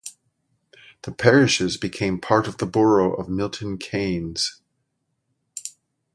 The parishes became part of the borough of Milton Keynes.